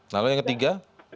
lalu yang ketiga